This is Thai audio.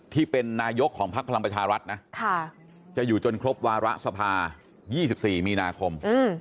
ที่เป็นนายกของพักพลังประชารัฐนะจะอยู่จนครบวาระสภา๒๔มีนาคม